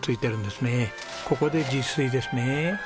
ここで自炊ですね。